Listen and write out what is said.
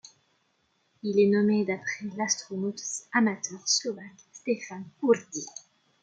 Il est nommé d'après l'astronome amateur slovaque Stefan Kürti.